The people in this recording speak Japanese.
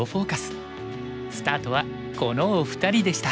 スタートはこのお二人でした。